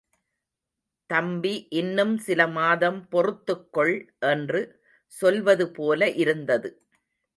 தம்பி இன்னும் சில மாதம் பொறுத்துக் கொள் என்று சொல்வது போல இருந்தது.